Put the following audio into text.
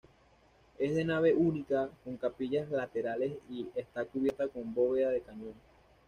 Es de nave única con capillas laterales y está cubierta con bóveda de cañón.